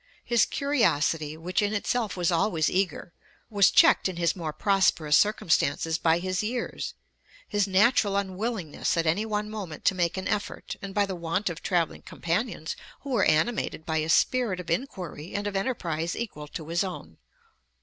His curiosity, which in itself was always eager, was checked in his more prosperous circumstances by his years, his natural unwillingness at any one moment to make an effort, and by the want of travelling companions who were animated by a spirit of inquiry and of enterprise equal to his own.